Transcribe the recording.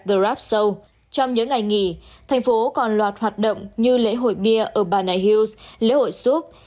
trong những ngày nghỉ thành phố còn loạt hoạt động như lễ hội bia ở bana hills lễ hội súp